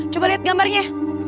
coba liat gambarnya